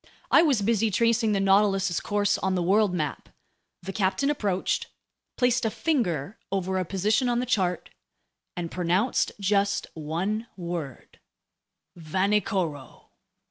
I was busy tracing the Nautilus's course on the world map. The captain approached, placed a finger over a position on the chart, and pronounced just one word: "Vanikoro."